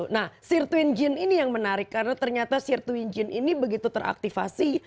nah sear twin gene ini yang menarik karena ternyata sear twin gene ini begitu teraktivasi